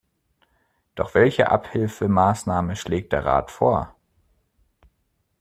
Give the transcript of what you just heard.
Doch welche Abhilfemaßnahme schlägt der Rat vor?